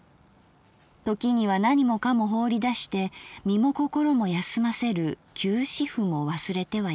ときには何もかも放り出して身も心も休ませる休止符も忘れてはいけない。